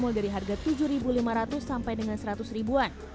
mulai dari harga rp tujuh lima ratus sampai dengan seratus ribuan